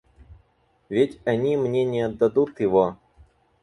Ведь они мне не отдадут его.